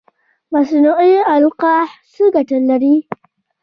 مصنوعي القاح څه ګټه لري؟